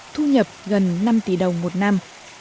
thu nhập gần năm tỷ đồng một năm